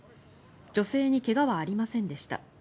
女性に怪我はありませんでした。